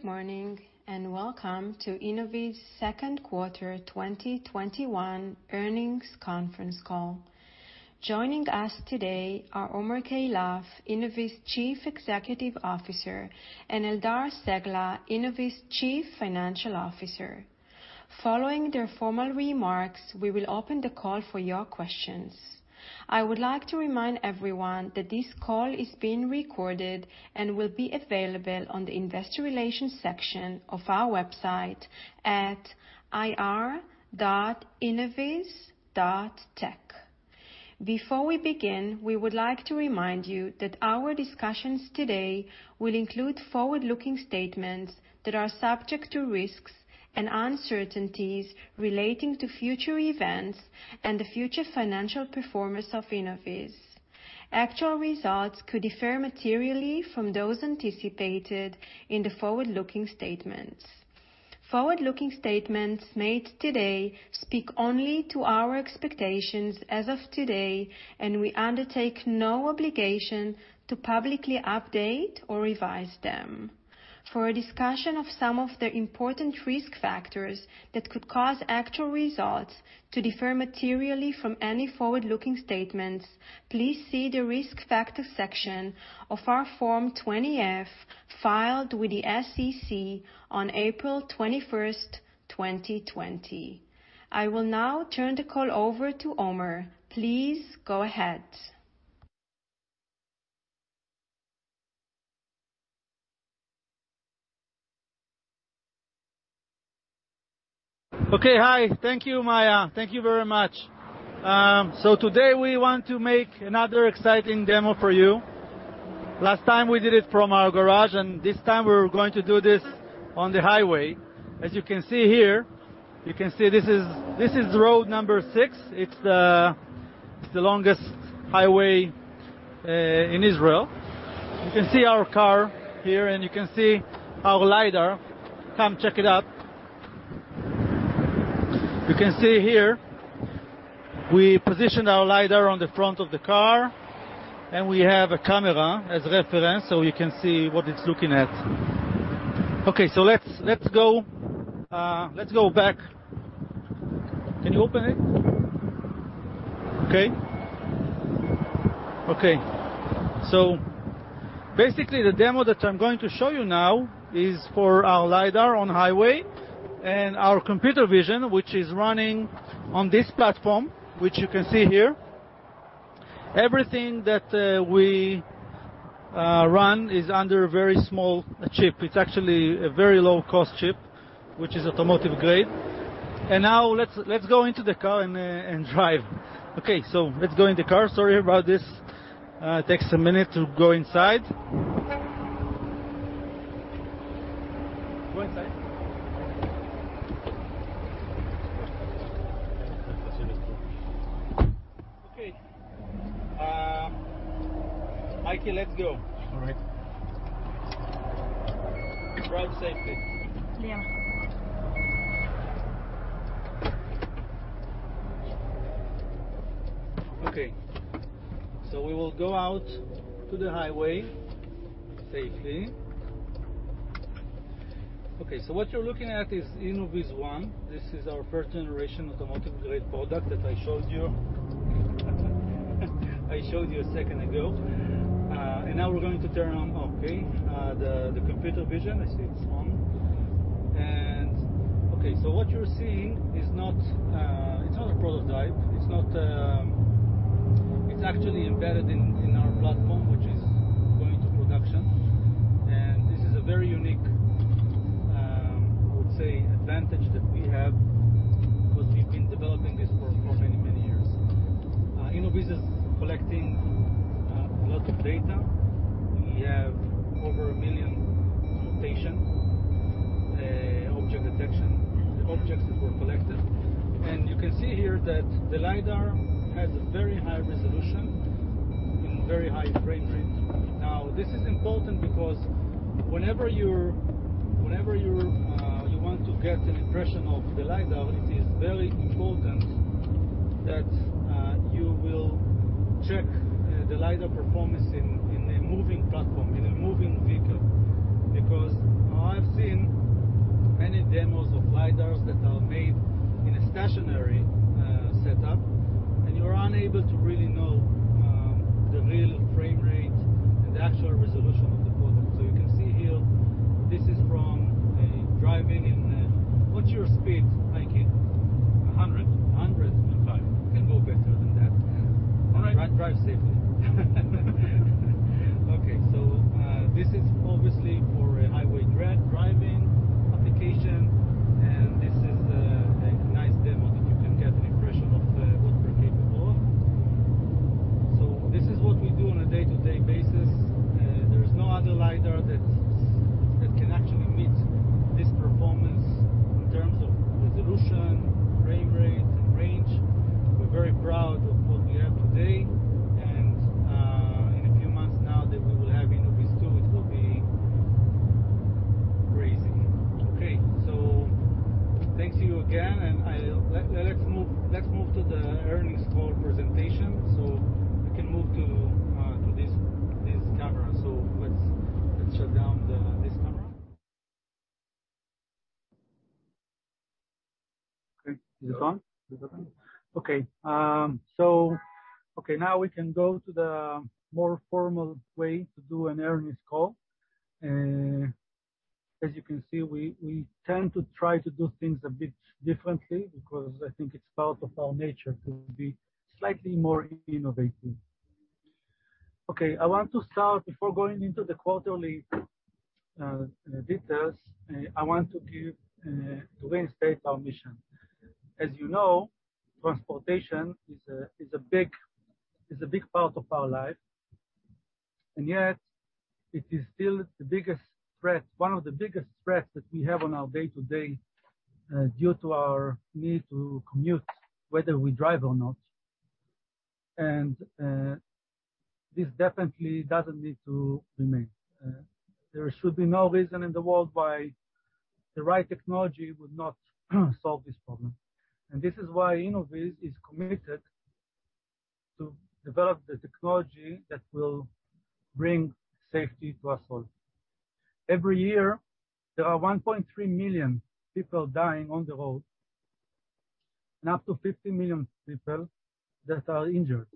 Good morning, welcome to Innoviz second quarter 2021 earnings conference call. Joining us today are Omer Keilaf, Innoviz Chief Executive Officer, and Eldar Cegla, Innoviz Chief Financial Officer. Following their formal remarks, we will open the call for your questions. I would like to remind everyone that this call is being recorded and will be available on the investor relations section of our website at ir.innoviz.tech. Before we begin, we would like to remind you that our discussions today will include forward-looking statements that are subject to risks and uncertainties relating to future events and the future financial performance of Innoviz. Actual results could differ materially from those anticipated in the forward-looking statements. Forward-looking statements made today speak only to our expectations as of today, and we undertake no obligation to publicly update or revise them. For a discussion of some of the important risk factors that could cause actual results to differ materially from any forward-looking statements, please see the risk factors section of our Form 20-F filed with the SEC on April 21st, 2020. I will now turn the call over to Omer. Please go ahead. Okay. Hi. Thank you, Maya. Thank you very much. Today, we want to make another exciting demo for you. Last time, we did it from our garage, and this time, we're going to do this on the highway. As you can see here, you can see this is Road number six. It's the longest highway in Israel. You can see our car here, and you can see our LiDAR. Come check it out. You can see here, we positioned our LiDAR on the front of the car, and we have a camera as a reference so we can see what it's looking at. Okay. Let's go back. Can you open it? Okay. Basically, the demo that I'm going to show you now is for our LiDAR on the highway and our computer vision, which is running on this platform, which you can see here. Everything that we run is under a very small chip. It's actually a very low-cost chip, which is automotive-grade. Now let's go into the car and drive. Okay, let's go in the car. Sorry about this. It takes a minute to go inside. Go inside. Okay. Michael, let's go. All right. Drive safely. Yeah. Okay. We will go out to the highway safely. Okay, what you're looking at is InnovizOne. This is our first generation automotive-grade product that I showed you a second ago. Now we're going to turn on, okay, the computer vision. I see it's on. Okay, what you're seeing it's not a prototype. It's actually embedded in our platform, which is going to production. This is a very unique, I would say, advantage that we have because we've been developing this for many, many years. Innoviz is collecting lots of data. We have over a million annotations, object detection, the objects that were collected. You can see here that the LiDAR has a very high resolution and very high frame rate. This is important because whenever you want to get an impression of the LiDAR, it is very important that you will check the LiDAR performance in a moving platform, in a moving vehicle. I've seen many demos of LiDARs that are made in a stationary setup, and you are unable to really know the real frame rate and the actual resolution of the product. You can see here, this is from driving in What's your speed, Mikey? 100. 100? Fine. We can go better than that. All right. Drive safely. This is obviously for a highway driving application, and this is a nice demo that you can get an impression of what we're capable of. This is what we do on a day-to-day basis. There is no other LiDAR that can actually meet this performance in terms of resolution, frame rate, and range. We're very proud of what we have today. In a few months now that we will have InnovizTwo, it will be crazy. Thank you again, and let's move to the earnings call presentation. We can move to this camera. Let's shut down this camera. Okay. Is it on? Is it on? Okay. Now we can go to the more formal way to do an earnings call. As you can see, we tend to try to do things a bit differently because I think it's part of our nature to be slightly more innovative. Okay. I want to start before going into the quarterly details, I want to reinstate our mission. As you know, transportation is a big part of our life, and yet it is still one of the biggest threats that we have on our day to day due to our need to commute, whether we drive or not. This definitely doesn't need to remain. There should be no reason in the world why the right technology would not solve this problem. This is why Innoviz is committed to develop the technology that will bring safety to us all. Every year, there are 1.3 million people dying on the road and up to 50 million people that are injured.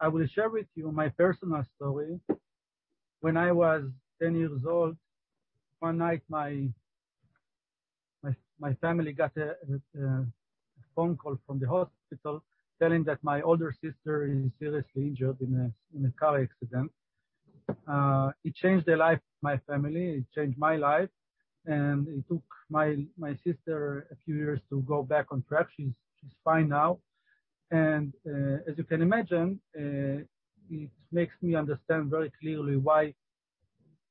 I will share with you my personal story. When I was 10 years old, one night my family got a phone call from the hospital telling that my older sister is seriously injured in a car accident. It changed the life of my family. It changed my life. It took my sister a few years to go back on track. She's fine now. As you can imagine, it makes me understand very clearly why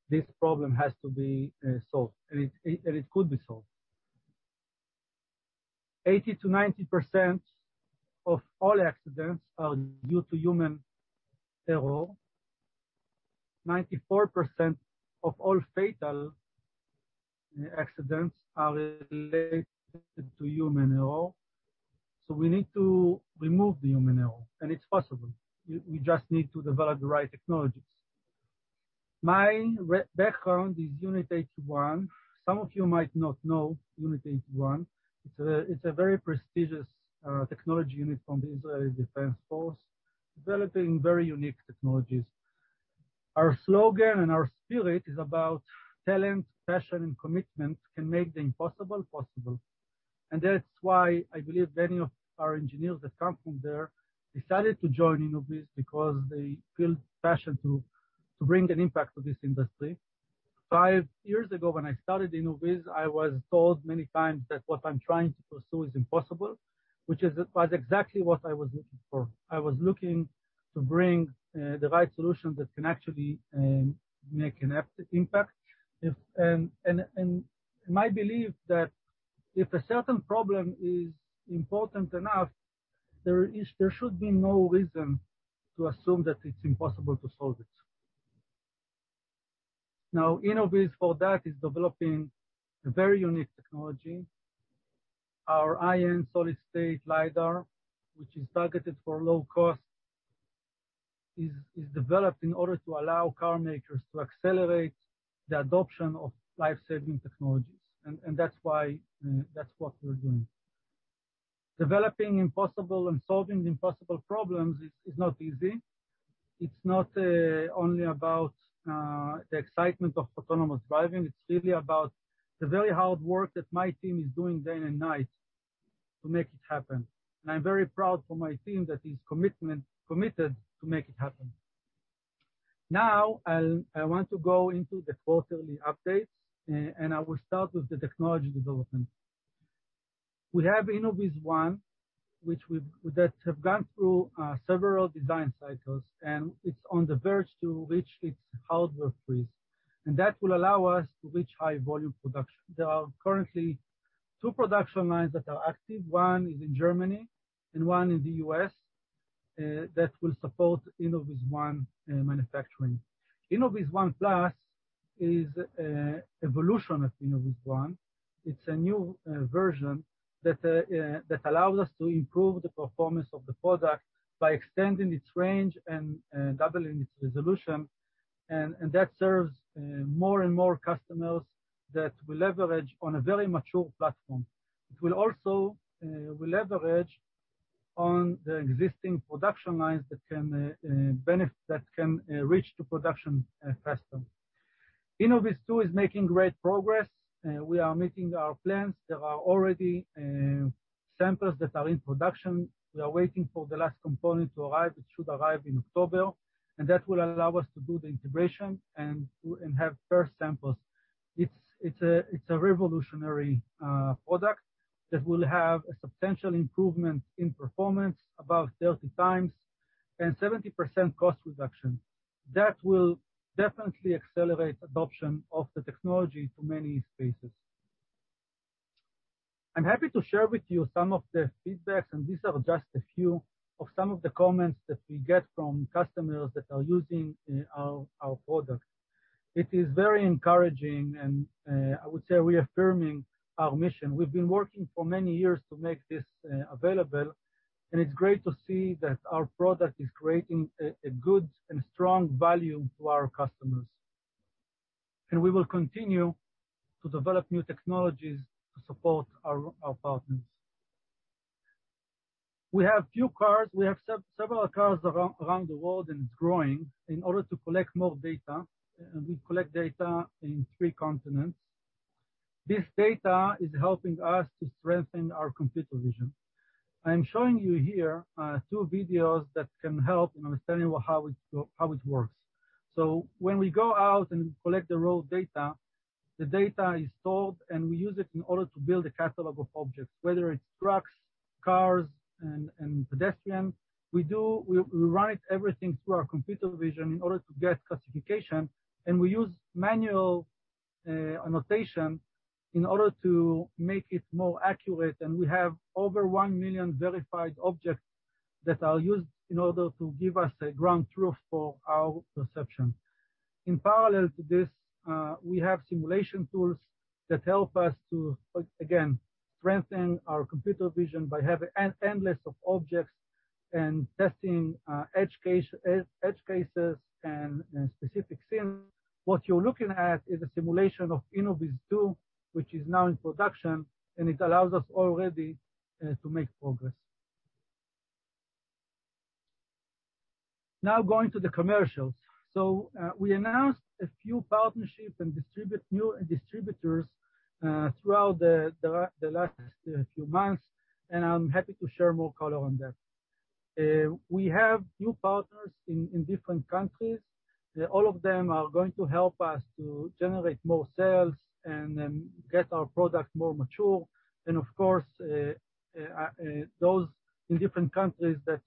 this problem has to be solved, and it could be solved. 80%-90% of all accidents are due to human error. 94% of all fatal accidents are related to human error. We need to remove the human error, and it's possible. We just need to develop the right technologies. My background is Unit 81. Some of you might not know Unit 81. It's a very prestigious technology unit from the Israel Defense Forces, developing very unique technologies. Our slogan and our spirit is about talent, passion, and commitment can make the impossible possible. That's why I believe many of our engineers that come from there decided to join Innoviz because they feel passion to bring an impact to this industry. Two years ago, when I started Innoviz, I was told many times that what I'm trying to pursue is impossible, which was exactly what I was looking for. I was looking to bring the right solution that can actually make an impact. My belief that if a certain problem is important enough, there should be no reason to assume that it's impossible to solve it. Now, Innoviz, for that, is developing a very unique technology. Our InnovizOne solid-state LiDAR, which is targeted for low cost, is developed in order to allow car makers to accelerate the adoption of life-saving technologies. That's what we're doing. Developing impossible and solving the impossible problems is not easy. It's not only about the excitement of autonomous driving. It's really about the very hard work that my team is doing day and night to make it happen. I'm very proud for my team that is committed to make it happen. I want to go into the quarterly updates, and I will start with the technology development. We have InnovizOne, that have gone through several design cycles, and it's on the verge to reach its hardware freeze, and that will allow us to reach high volume production. There are currently two production lines that are active. One is in Germany and one in the U.S. that will support InnovizOne manufacturing. InnovizOne+ is evolution of InnovizOne. It's a new version that allows us to improve the performance of the product by extending its range and doubling its resolution. That serves more and more customers that will leverage on a very mature platform. It will also leverage on the existing production lines that can reach to production faster. InnovizTwo is making great progress. We are meeting our plans. There are already samples that are in production. We are waiting for the last component to arrive. It should arrive in October. That will allow us to do the integration and have first samples. It is a revolutionary product that will have a substantial improvement in performance above 30x and 70% cost reduction. That will definitely accelerate adoption of the technology to many spaces. I am happy to share with you some of the feedbacks, and these are just a few of some of the comments that we get from customers that are using our product. It is very encouraging, and I would say reaffirming our mission. We've been working for many years to make this available, and it's great to see that our product is creating a good and strong value to our customers. We will continue to develop new technologies to support our partners. We have few cars. We have several cars around the world, and it's growing in order to collect more data. We collect data in three continents. This data is helping us to strengthen our computer vision. I am showing you here two videos that can help in understanding how it works. When we go out and collect the raw data, the data is stored, and we use it in order to build a catalog of objects, whether it's trucks, cars, and pedestrian. We run it, everything, through our computer vision in order to get classification, and we use manual annotation in order to make it more accurate. We have over 1 million verified objects that are used in order to give us a ground truth for our perception. In parallel to this, we have simulation tools that help us to, again, strengthen our computer vision by having endless of objects and testing edge cases and specific scenes. What you're looking at is a simulation of InnovizTwo, which is now in production, and it allows us already to make progress. Now going to the commercials. We announced a few partnerships and new distributors throughout the last few months, and I'm happy to share more color on that. We have new partners in different countries. All of them are going to help us to generate more sales and then get our product more mature. Of course, those in different countries that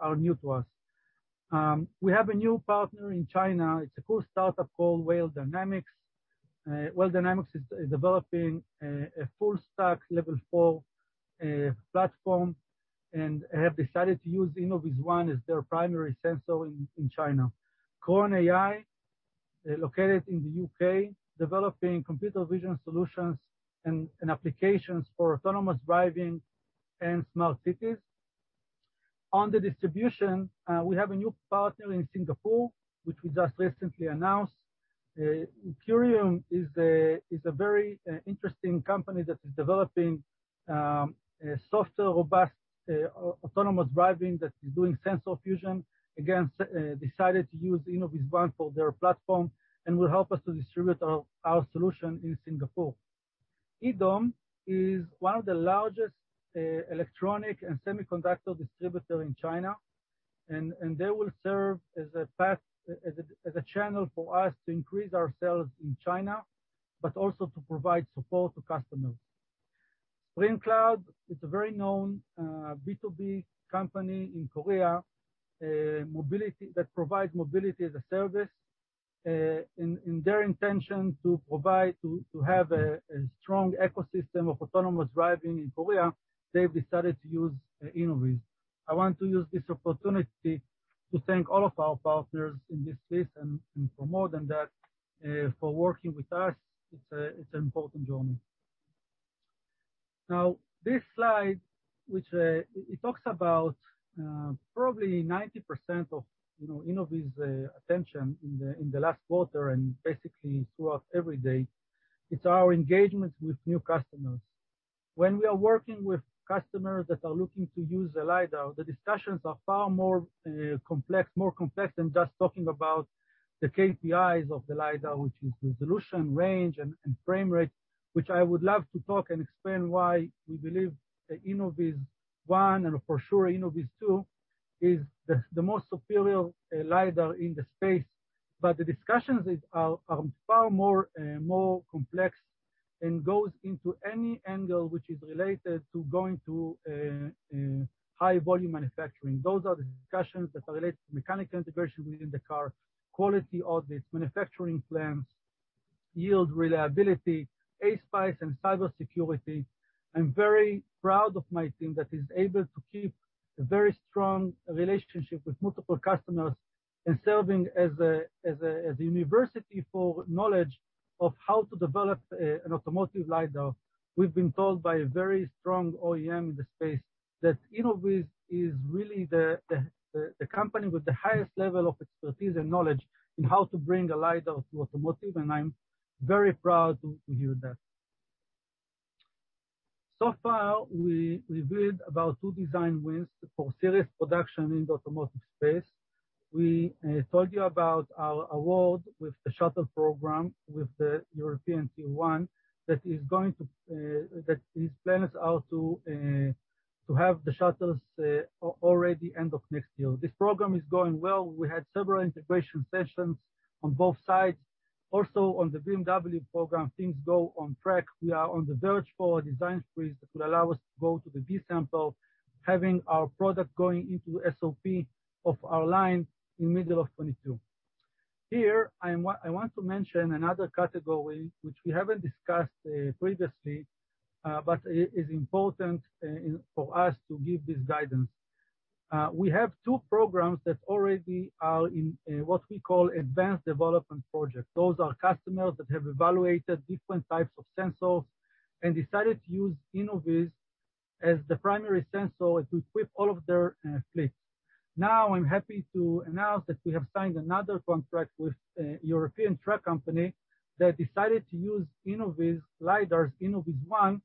are new to us. We have a new partner in China. It's a cool startup called Whale Dynamic. Whale Dynamic is developing a full stack Level 4 platform and have decided to use InnovizOne as their primary sensor in China. Cron AI, located in the U.K., developing computer vision solutions and applications for autonomous driving and smart cities. On the distribution, we have a new partner in Singapore, which we just recently announced. Curium is a very interesting company that is developing software robust autonomous driving that is doing sensor fusion. Again, decided to use InnovizOne for their platform and will help us to distribute our solution in Singapore. EDOM Technology is one of the largest electronic and semiconductor distributor in China. They will serve as a channel for us to increase our sales in China, but also to provide support to customers. SpringCloud is a very known B2B company in Korea that provides mobility as a service. In their intention to have a strong ecosystem of autonomous driving in Korea, they've decided to use Innoviz. I want to use this opportunity to thank all of our partners in this list and for more than that, for working with us. It's an important journey. This slide, which talks about probably 90% of Innoviz attention in the last quarter and basically throughout every day, is our engagement with new customers. When we are working with customers that are looking to use the LiDAR, the discussions are far more complex than just talking about the KPIs of the LiDAR, which is resolution, range, and frame rate, which I would love to talk and explain why we believe the InnovizOne and for sure InnovizTwo is the most superior LiDAR in the space. The discussions are far more complex and go into any angle which is related to going to high volume manufacturing. Those are the discussions that are related to mechanical integration within the car, quality audits, manufacturing plans, yield reliability, ASPICE, and cybersecurity. I'm very proud of my team that is able to keep a very strong relationship with multiple customers and serving as a university for knowledge of how to develop an automotive LiDAR. We've been told by a very strong OEM in the space that Innoviz is really the company with the highest level of expertise and knowledge in how to bring a LiDAR to automotive, and I'm very proud to hear that. Far, we've read about two design wins for series production in the automotive space. We told you about our award with the shuttle program with the European Tier 1 that is plans out to have the shuttles already end of next year. This program is going well. We had several integration sessions on both sides. Also, on the BMW program, things go on track. We are on the verge for a design freeze that will allow us to go to the B-sample, having our product going into SOP of our line in middle of 2022. Here, I want to mention another category which we haven't discussed previously, but is important for us to give this guidance. We have two programs that already are in what we call advanced development project. Those are customers that have evaluated different types of sensors and decided to use Innoviz as the primary sensor to equip all of their fleets. Now I'm happy to announce that we have signed another contract with a European truck company that decided to use Innoviz LiDARs, InnovizOne,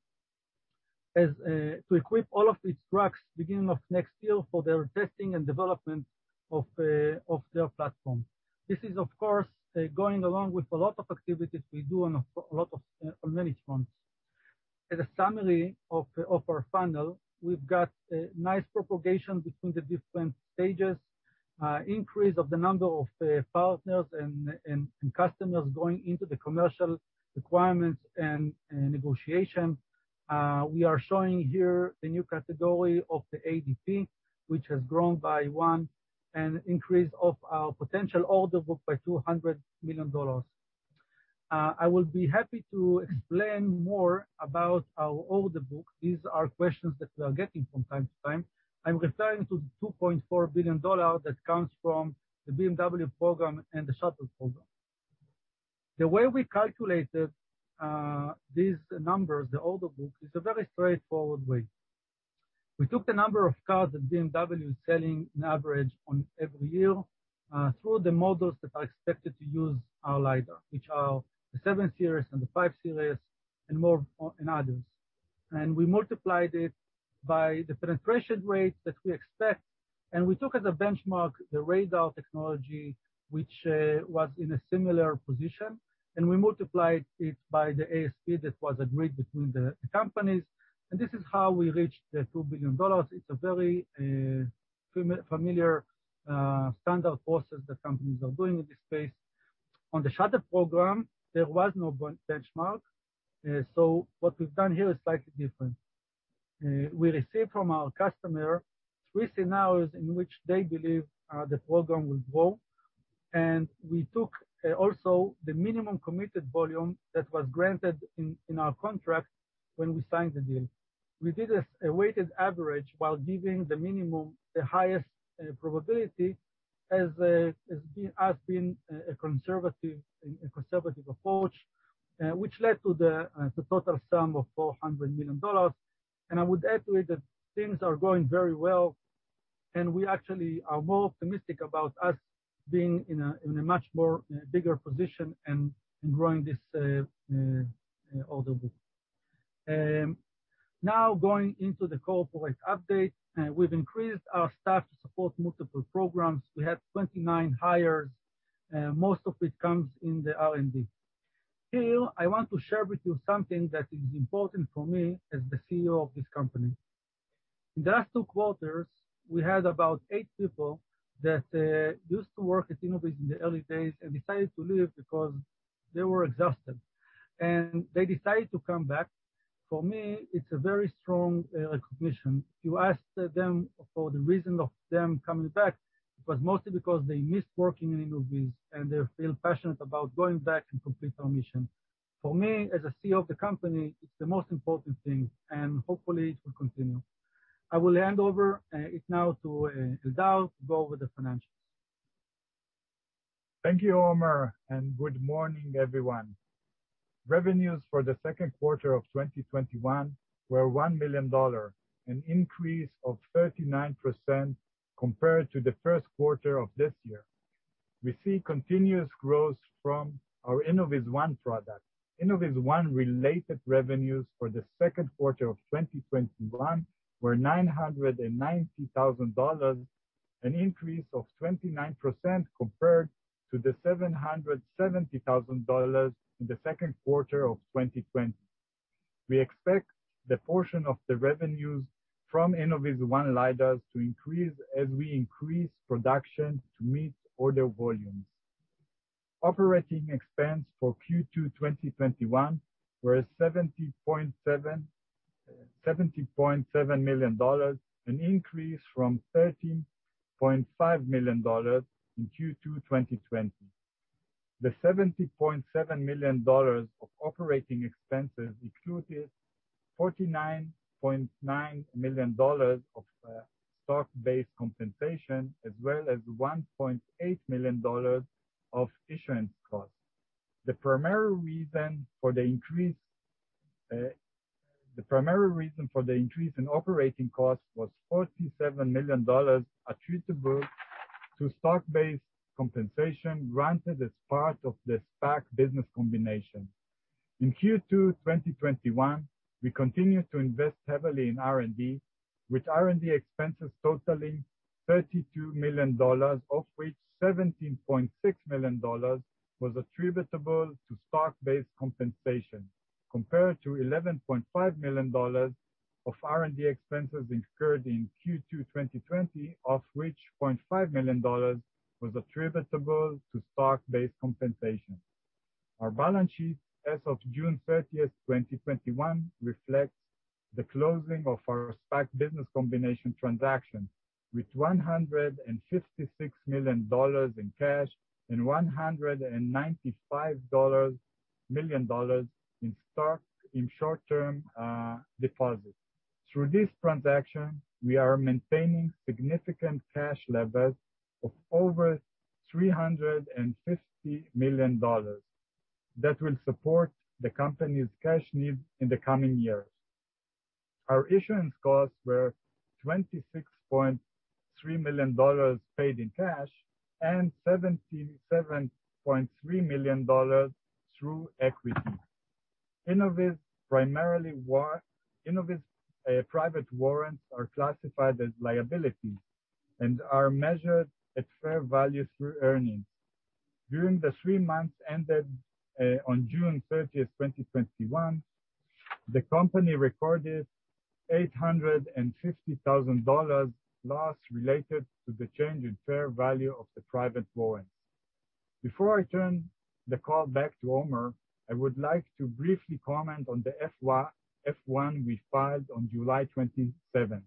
to equip all of its trucks beginning of next year for their testing and development of their platform. This is, of course, going along with a lot of activities we do on many fronts. As a summary of our funnel, we've got a nice propagation between the different stages, increase of the number of partners and customers going into the commercial requirements and negotiation. We are showing here the new category of the ADP, which has grown by one, an increase of our potential order book by $200 million. I will be happy to explain more about our order book. These are questions that we are getting from time to time. I'm referring to the $2.4 billion that comes from the BMW program and the Shuttle program. The way we calculated these numbers, the order book, is a very straightforward way. We took the number of cars that BMW is selling on average on every year, through the models that are expected to use our LiDAR, which are the 7 Series and the 5 Series, and others. We multiplied it by the penetration rate that we expect, and we took as a benchmark the radar technology, which was in a similar position, and we multiplied it by the ASP that was agreed between the companies, and this is how we reached the $2 billion. It's a very familiar standard process that companies are doing in this space. On the Shuttle program, there was no benchmark, so what we've done here is slightly different. We received from our customer three scenarios in which they believe the program will grow, and we took also the minimum committed volume that was granted in our contract when we signed the deal. We did a weighted average while giving the minimum the highest probability as being a conservative approach, which led to the total sum of $400 million. I would add to it that things are going very well, and we actually are more optimistic about us being in a much more bigger position and growing this order book. Now going into the corporate update. We've increased our staff to support multiple programs. We had 29 hires, most of it comes in the R&D. Here, I want to share with you something that is important for me as the CEO of this company. In the last two quarters, we had about eight people that used to work at Innoviz in the early days and decided to leave because they were exhausted, and they decided to come back. For me, it's a very strong recognition. If you ask them for the reason of them coming back, it was mostly because they missed working in Innoviz, and they feel passionate about going back and complete our mission. For me, as the CEO of the company, it's the most important thing, and hopefully it will continue. I will hand over it now to Eldar to go over the financials. Thank you, Omer, and good morning, everyone. Revenues for the second quarter of 2021 were $1 million, an increase of 39% compared to the first quarter of this year. We see continuous growth from our InnovizOne product. InnovizOne related revenues for the second quarter of 2021 were $990,000, an increase of 29% compared to the $770,000 in the second quarter of 2020. We expect the portion of the revenues from InnovizOne LiDARs to increase as we increase production to meet order volumes. Operating expense for Q2 2021 was $17.7 million, an increase from $13.5 million in Q2 2020. The $17.7 million of operating expenses included $49.9 million of stock-based compensation, as well as $1.8 million of insurance costs. The primary reason for the increase in operating costs was $47 million attributable to stock-based compensation granted as part of the SPAC business combination. In Q2 2021, we continued to invest heavily in R&D, with R&D expenses totaling $32 million, of which $17.6 million was attributable to stock-based compensation, compared to $11.5 million of R&D expenses incurred in Q2 2020, of which $0.5 million was attributable to stock-based compensation. Our balance sheet as of June 30th, 2021, reflects the closing of our SPAC business combination transaction with $156 million in cash and $195 million in stock in short-term deposits. Through this transaction, we are maintaining significant cash levels of over $350 million that will support the company's cash needs in the coming years. Our issuance costs were $26.3 million paid in cash and $77.3 million through equity. Innoviz private warrants are classified as liabilities and are measured at fair value through earnings. During the three months ended on June 30th, 2021, the company recorded $850,000 loss related to the change in fair value of the private warrants. Before I turn the call back to Omer, I would like to briefly comment on the F-1 we filed on July 27.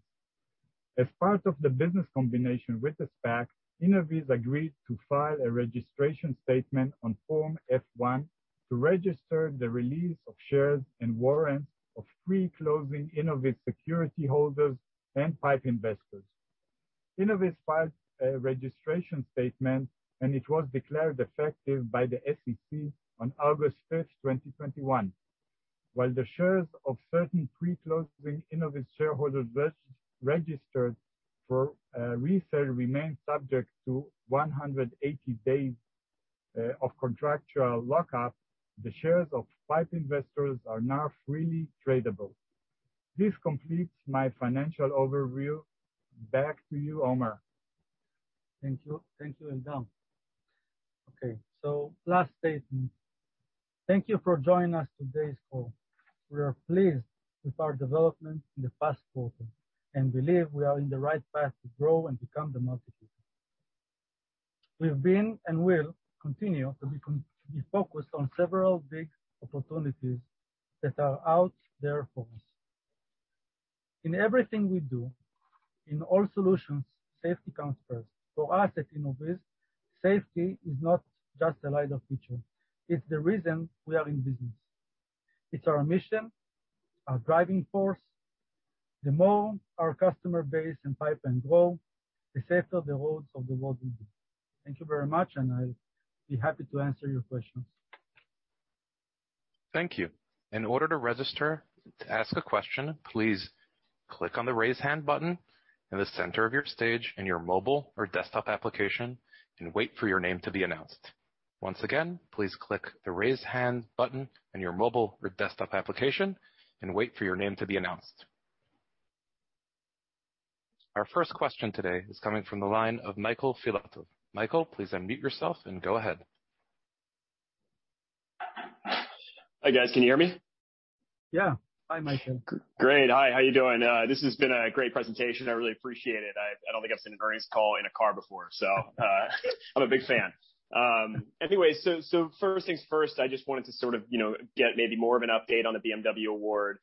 As part of the business combination with the SPAC, Innoviz agreed to file a registration statement on Form F-1 to register the release of shares and warrants of pre-closing Innoviz security holders and PIPE investors. Innoviz filed a registration statement, and it was declared effective by the SEC on August 5th, 2021. While the shares of certain pre-closing Innoviz shareholders registered for resale remain subject to 180 days of contractual lock-up, the shares of PIPE investors are now freely tradable. This completes my financial overview. Back to you, Omer. Thank you, Eldar. Okay, last statement. Thank you for joining us today's call. We are pleased with our development in the past quarter and believe we are in the right path to grow and become the market leader. We've been, and will continue to be, focused on several big opportunities that are out there for us. In everything we do, in all solutions, safety comes first. For us at Innoviz, safety is not just a LiDAR feature. It's the reason we are in business. It's our mission, our driving force. The more our customer base and PIPE can grow, the safer the roads of the world will be. Thank you very much, and I'll be happy to answer your questions. Thank you. In order to register to ask a question, please click on the raise hand button in the center of your stage in your mobile or desktop application, and wait for your name to be announced. Once again, please click the raise hand button on your mobile or desktop application, and wait for your name to be announced. Our first question today is coming from the line of Michael Filatov. Michael, please unmute yourself and go ahead. Hi, guys. Can you hear me? Yeah. Hi, Michael. Great. Hi, how are you doing? This has been a great presentation. I really appreciate it. I don't think I've been on an earnings call in a car before, so I'm a big fan. Anyway, first things first, I just wanted to sort of get maybe more of an update on the BMW award.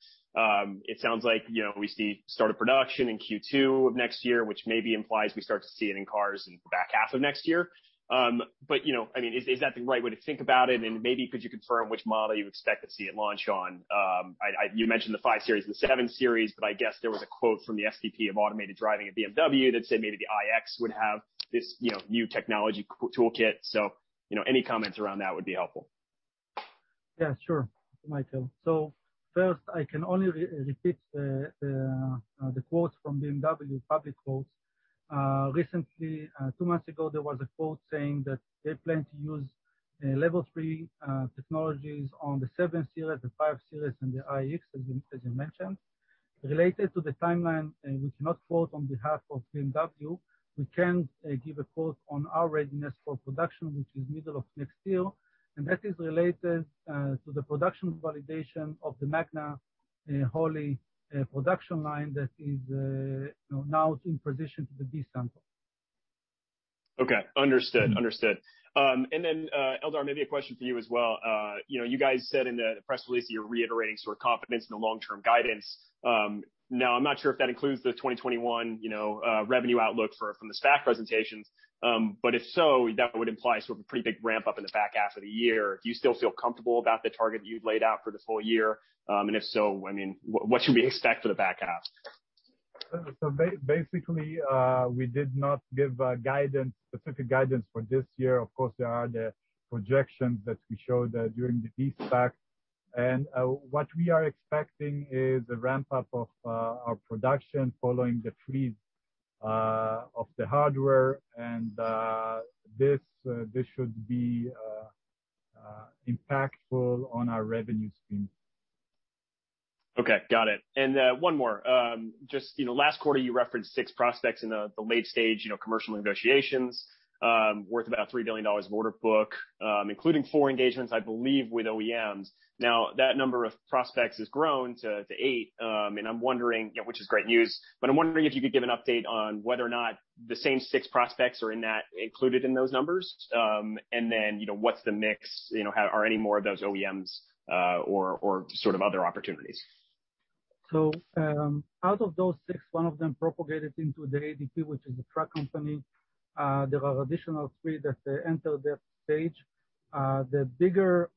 It sounds like we see start of production in Q2 of next year, which maybe implies we start to see it in cars in the back half of next year. Is that the right way to think about it? Maybe could you confirm which model you expect to see it launch on? You mentioned the 5 Series and the 7 Series, but I guess there was a quote from the SVP of automated driving at BMW that said maybe the iX would have this new technology toolkit. Any comments around that would be helpful. Yeah, sure, Michael. First, I can only repeat the quotes from BMW, public quotes. Recently, two months ago, there was a quote saying that they plan to use Level 3 technologies on the 7 Series, the 5 Series, and the iX, as you mentioned. Related to the timeline, we cannot quote on behalf of BMW. We can give a quote on our readiness for production, which is middle of next year, and that is related to the production validation of the Magna Holly production line that is no+lw in position to the D-sample. Okay. Understood. Eldar, maybe a question for you as well. You guys said in the press release that you're reiterating confidence in the long-term guidance. I'm not sure if that includes the 2021 revenue outlook from the SPAC presentations, but if so, that would imply sort of a pretty big ramp-up in the back half of the year. Do you still feel comfortable about the target you'd laid out for this whole year? If so, what should we expect for the back half? Basically, we did not give specific guidance for this year. Of course, there are the projections that we showed during the de-SPAC. What we are expecting is a ramp-up of our production following the freeze of the hardware. This should be impactful on our revenue stream. Okay. Got it. One more. Just last quarter, you referenced six prospects in the late-stage commercial negotiations worth about $3 billion order book, including four engagements, I believe, with OEMs. That number of prospects has grown to eight, which is great news. I'm wondering if you could give an update on whether or not the same six prospects are included in those numbers. What's the mix? Are any more of those OEMs or sort of other opportunities? Out of those six, one of them propagated into the ADP, which is a truck company. There are additional three that enter that stage. The bigger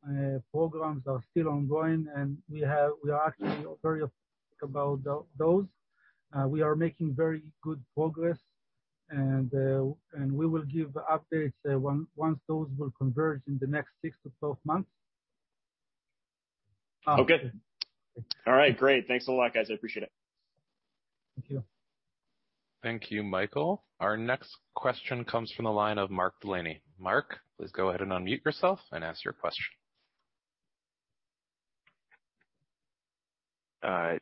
programs are still ongoing, and we are actually very optimistic about those. We are making very good progress and we will give updates once those will converge in the next 6-12 months. Okay. All right, great. Thanks a lot, guys. I appreciate it. Thank you. Thank you, Michael. Our next question comes from the line of Mark Delaney. Mark, please go ahead and unmute yourself and ask your question.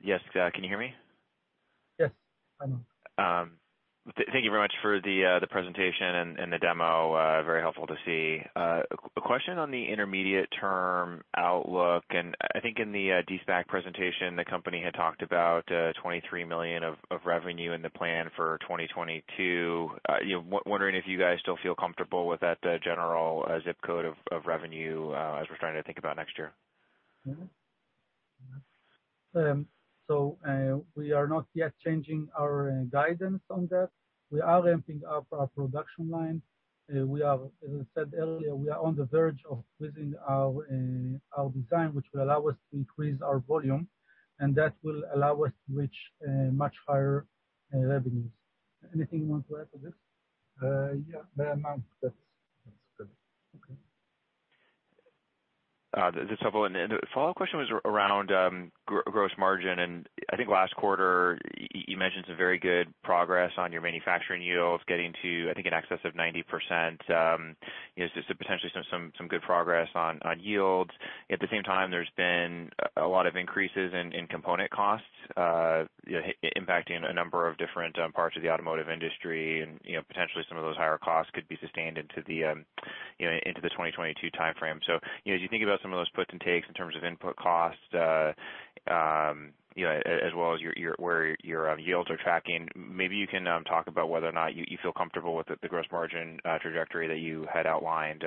Yes. Can you hear me? Yes. I know. Thank you very much for the presentation and the demo. Very helpful to see. A question on the intermediate term outlook. I think in the de-SPAC presentation, the company had talked about $23 million of revenue in the plan for 2022. Wondering if you guys still feel comfortable with that general zip code of revenue as we're trying to think about next year? We are not yet changing our guidance on that. We are ramping up our production line. As I said earlier, we are on the verge of increasing our design, which will allow us to increase our volume, and that will allow us to reach much higher revenues. Anything you want to add to this? Yeah. The amount, that's good. The follow-up question was around gross margin, and I think last quarter you mentioned some very good progress on your manufacturing yields getting to, I think, in excess of 90%. Potentially some good progress on yields. At the same time, there's been a lot of increases in component costs impacting a number of different parts of the automotive industry, and potentially some of those higher costs could be sustained into the 2022 timeframe. As you think about some of those puts and takes in terms of input costs as well as where your yields are tracking, maybe you can talk about whether or not you feel comfortable with the gross margin trajectory that you had outlined.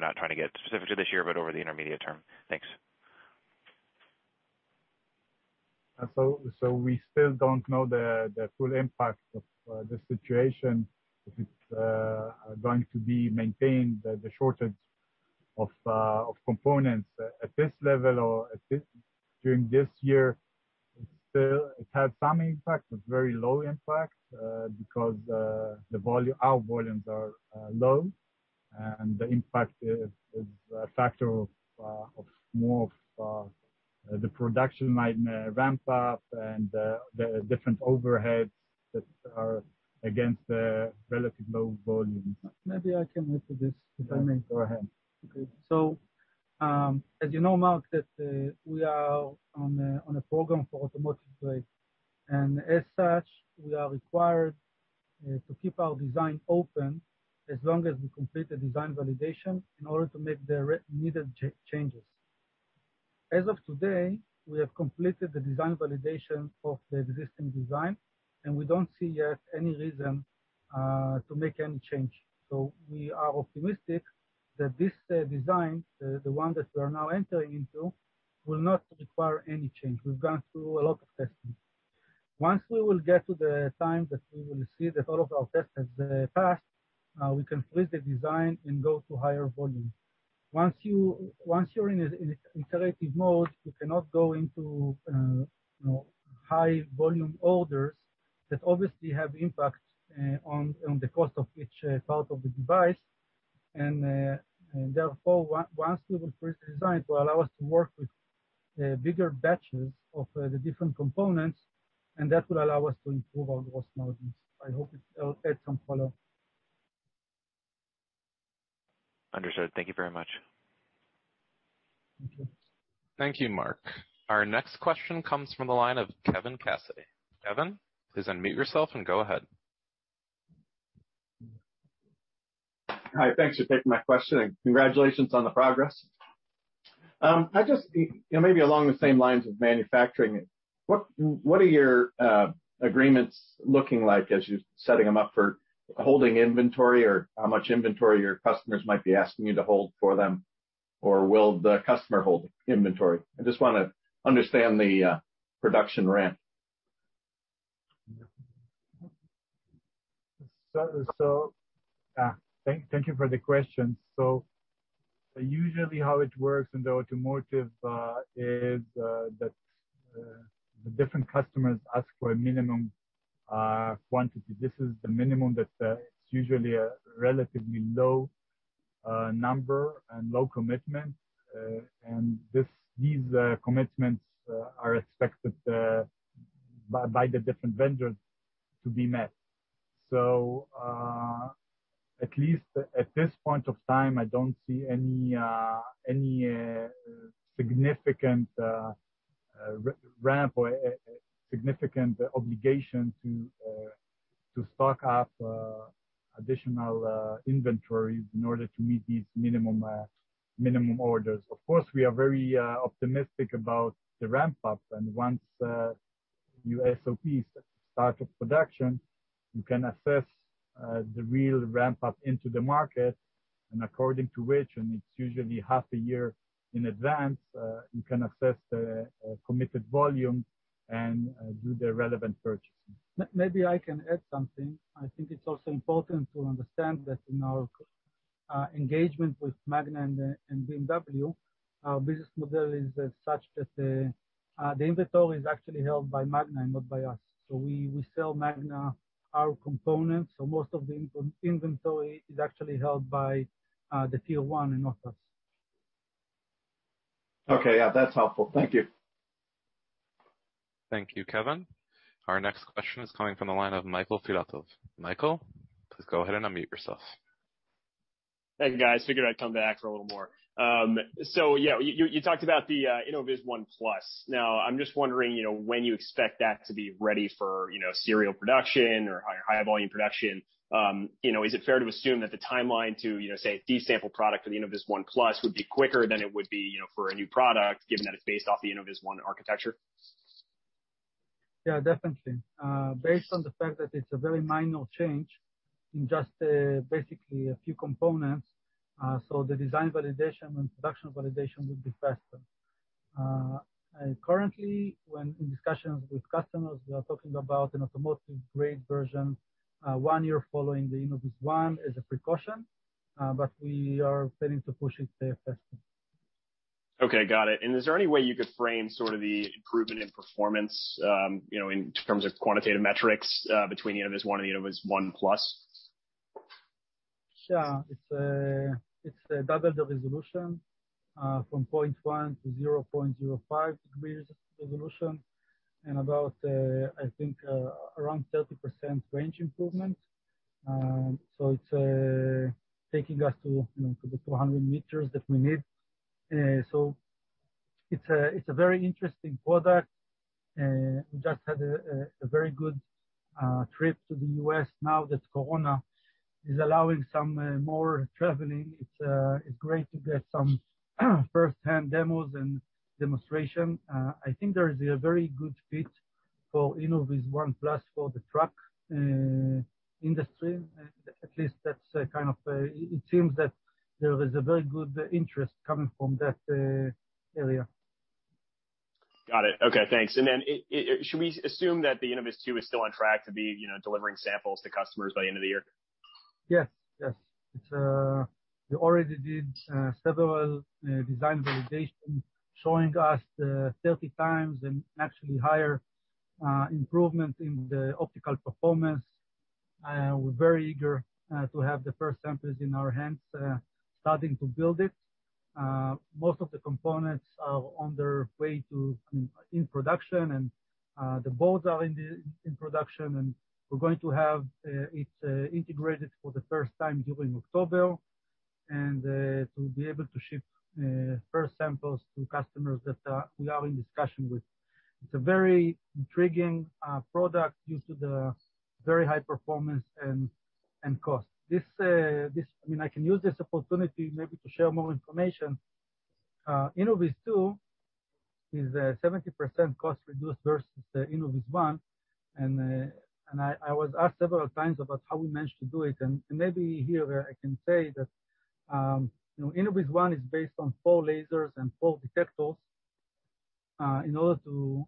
Not trying to get specific to this year, but over the intermediate term. Thanks. We still don't know the full impact of the situation. If it's going to be maintained, the shortage of components at this level or during this year. It had some impact, but very low impact because our volumes are low and the impact is a factor of more of the production might ramp up and the different overheads that are against the relative low volumes. Maybe I can add to this, if I may. Go ahead. As you know, Mark, that we are on a program for automotive grade. As such, we are required to keep our design open as long as we complete the design validation in order to make the needed changes. As of today, we have completed the design validation of the existing design, and we don't see yet any reason to make any change. We are optimistic that this design, the one that we are now entering into, will not require any change. We've gone through a lot of testing. Once we will get to the time that we will see that all of our tests have passed, we can freeze the design and go to higher volume. Once you're in interactive mode, you cannot go into high volume orders that obviously have impact on the cost of each part of the device. Therefore, once we will freeze the design to allow us to work with bigger batches of the different components, and that will allow us to improve our gross margins. I hope it helped some follow. Understood. Thank you very much. Thank you. Thank you, Mark. Our next question comes from the line of Kevin Cassidy. Kevin, please unmute yourself and go ahead. Hi. Thanks for taking my question. Congratulations on the progress. Maybe along the same lines of manufacturing, what are your agreements looking like as you're setting them up for holding inventory, how much inventory your customers might be asking you to hold for them? Will the customer hold inventory? I just want to understand the production ramp. Thank you for the question. Usually how it works in the automotive is that the different customers ask for a minimum quantity. This is the minimum that's usually a relatively low number and low commitment. These commitments are expected by the different vendors to be met. At least at this point of time, I don't see any significant ramp or significant obligation to stock up additional inventories in order to meet these minimum orders. Of course, we are very optimistic about the ramp-up, and once SOPs, start of production, you can assess the real ramp-up into the market, and according to which, and it's usually half a year in advance, you can assess the committed volume and do the relevant purchasing. Maybe I can add something. I think it's also important to understand that in our engagement with Magna and BMW, our business model is such that the inventory is actually held by Magna, not by us. We sell Magna our components, so most of the inventory is actually held by the Tier 1 and not us. Okay. Yeah, that's helpful. Thank you. Thank you, Kevin. Our next question is coming from the line of Michael Filatov. Michael, please go ahead and unmute yourself. Thank you, guys. Figured I'd come back for a little more. Yeah, you talked about the InnovizOne+. I'm just wondering when you expect that to be ready for serial production or higher volume production. Is it fair to assume that the timeline to say a D-sample product for the InnovizOne+ would be quicker than it would be for a new product, given that it's based off the InnovizOne architecture? Yeah, definitely. Based on the fact that it's a very minor change in just basically a few components, so the design validation and production validation will be faster. Currently, when in discussions with customers, we are talking about an automotive-grade version, one year following the InnovizOne as a precaution. We are planning to push it faster. Okay, got it. Is there any way you could frame sort of the improvement in performance, in terms of quantitative metrics, between InnovizOne and the InnovizOne+? Sure. It's double the resolution, from 0.1 to 0.05 degrees resolution, and about, I think, around 30% range improvement. It's taking us to the 200 meters that we need. It's a very interesting product. We just had a very good trip to the U.S. now that Corona is allowing some more traveling. It's great to get some firsthand demos and demonstration. I think there is a very good fit for InnovizOne+ for the truck industry. At least it seems that there is a very good interest coming from that area. Got it. Okay, thanks. Should we assume that the InnovizTwo is still on track to be delivering samples to customers by the end of the year? Yes. We already did several design validations showing us the 30 times and actually higher improvement in the optical performance. We're very eager to have the first samples in our hands, starting to build it. Most of the components are on their way to in production. The boards are in production. We're going to have it integrated for the first time during October, to be able to ship first samples to customers that we are in discussion with. It's a very intriguing product due to the very high performance and cost. I can use this opportunity maybe to share more information. InnovizTwo is 70% cost reduced versus the InnovizOne. I was asked several times about how we managed to do it, and maybe here where I can say that InnovizOne is based on four lasers and four detectors, in order to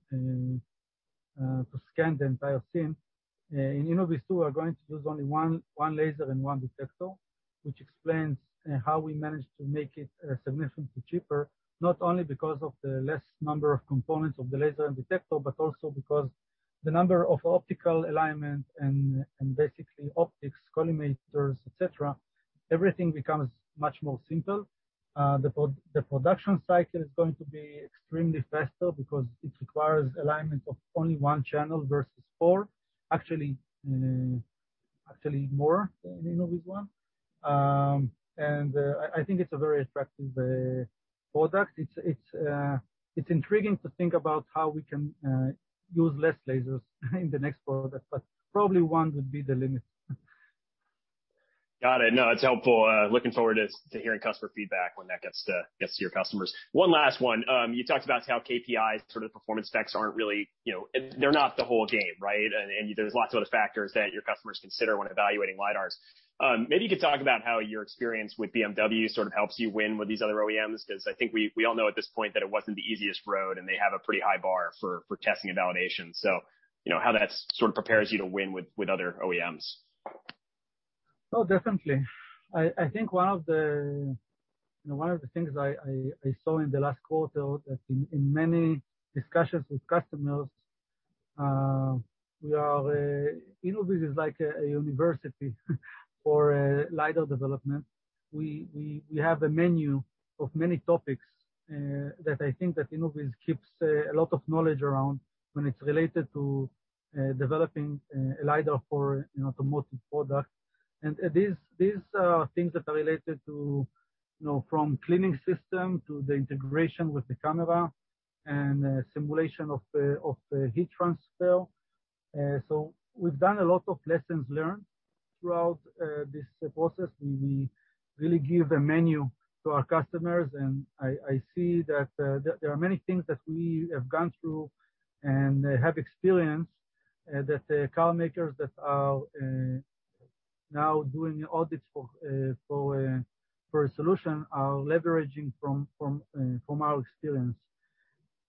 scan the entire scene. In InnovizTwo, we're going to use only one laser and one detector, which explains how we managed to make it significantly cheaper, not only because of the less number of components of the laser and detector, but also because the number of optical alignment and basically optics, collimators, et cetera, everything becomes much more simple. The production cycle is going to be extremely faster because it requires alignment of only one channel versus four. Actually more in InnovizOne. I think it's a very attractive product. It's intriguing to think about how we can use less lasers in the next product, but probably one would be the limit. Got it. No, it's helpful. Looking forward to hearing customer feedback when that gets to your customers. One last one. You talked about how KPIs sort of performance specs, they're not the whole game, right? There's lots of other factors that your customers consider when evaluating LiDARs. Maybe you could talk about how your experience with BMW sort of helps you win with these other OEMs, because I think we all know at this point that it wasn't the easiest road, and they have a pretty high bar for testing and validation. How that sort of prepares you to win with other OEMs? Definitely. I think one of the things I saw in the last quarter that in many discussions with customers, Innoviz is like a university for LiDAR development. We have a menu of many topics that I think that Innoviz keeps a lot of knowledge around when it's related to developing a LiDAR for an automotive product. These are things that are related to from cleaning system to the integration with the camera and simulation of the heat transfer. We've done a lot of lessons learned throughout this process. We really give a menu to our customers, and I see that there are many things that we have gone through and have experienced that the car makers that are now doing audits for a solution are leveraging from our experience.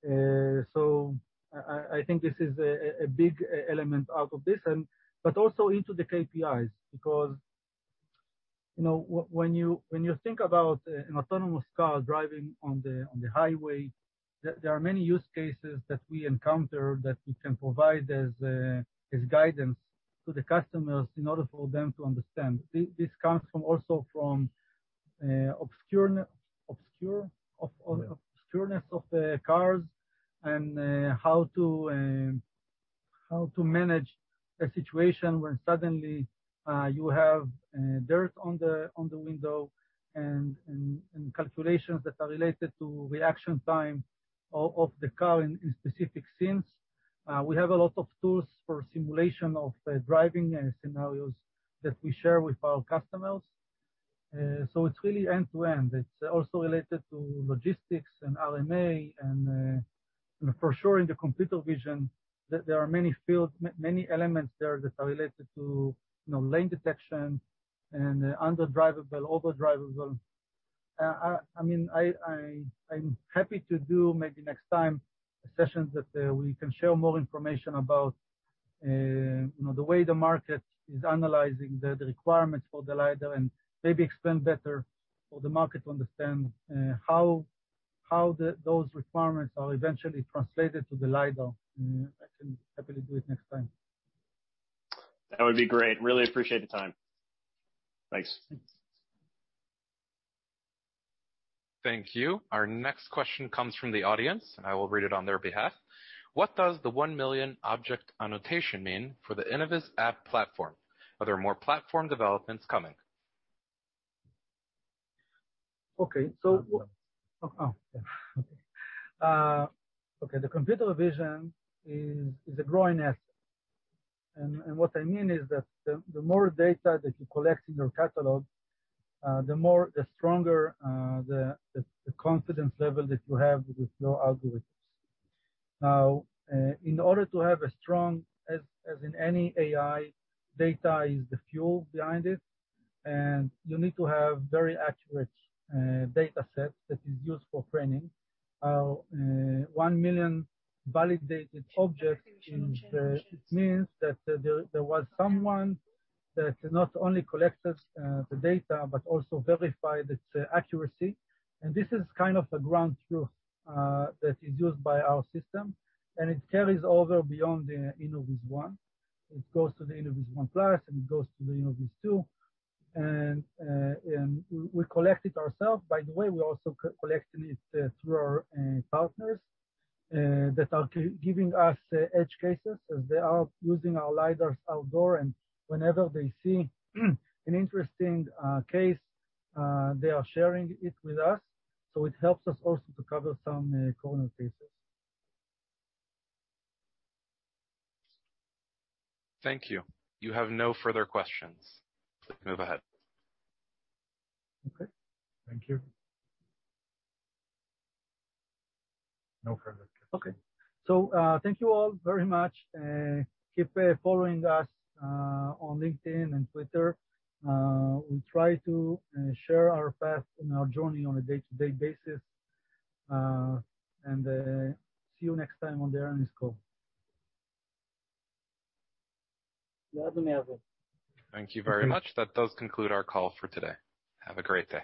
I think this is a big element out of this. Also into the KPIs, because when you think about an autonomous car driving on the highway, there are many use cases that we encounter that we can provide as guidance to the customers in order for them to understand. This comes also from obscureness of the cars and how to manage a situation when suddenly you have dirt on the window and calculations that are related to reaction time of the car in specific scenes. We have a lot of tools for simulation of driving scenarios that we share with our customers. It's really end-to-end. It's also related to logistics and RMA and for sure in the computer vision, there are many elements there that are related to lane detection and under drivable, over drivable. I'm happy to do, maybe next time, a session that we can share more information about the way the market is analyzing the requirements for the LiDAR and maybe explain better for the market to understand how those requirements are eventually translated to the LiDAR. I can happily do it next time. That would be great. Really appreciate the time. Thanks. Thanks. Thank you. Our next question comes from the audience, and I will read it on their behalf. What does the 1 million object annotation mean for the InnovizAPP platform? Are there more platform developments coming? Okay. The computer vision is a growing asset. What I mean is that the more data that you collect in your catalog, the stronger the confidence level that you have with your algorithms. Now, in order to have a strong, as in any AI, data is the fuel behind it, and you need to have very accurate data set that is used for training. 1 million validated objects it means that there was someone that not only collected the data but also verified its accuracy. This is kind of a ground truth that is used by our system, and it carries over beyond the InnovizOne. It goes to the InnovizOne+, and it goes to the InnovizTwo. We collect it ourself. By the way, we're also collecting it through our partners that are giving us edge cases as they are using our LiDAR outdoor. Whenever they see an interesting case, they are sharing it with us. It helps us also to cover some corner cases. Thank you. You have no further questions. Move ahead. Okay. Thank you. No further questions. Thank you all very much. Keep following us on LinkedIn and Twitter. We try to share our path and our journey on a day-to-day basis. See you next time on the earnings call. Thank you very much. That does conclude our call for today. Have a great day.